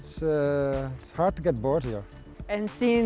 susah untuk mengeksplorasi di sini